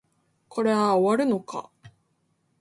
これは終わるのか